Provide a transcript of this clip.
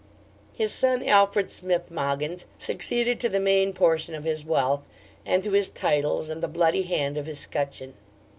His son, Alfred Smith Mogyns, succeeded to the main portion of his wealth, and to his titles and the bloody hand of his scutcheon.